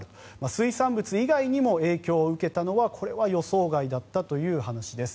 水産物以外にも影響を受けたのはこれは予想外だったという話です。